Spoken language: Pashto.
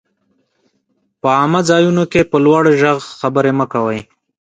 په عامه ځايونو کي په لوړ ږغ خبري مه کوئ!